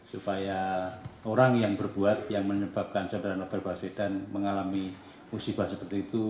supaya orang yang berbuat yang menyebabkan sederhana perbasis dan mengalami musibah seperti itu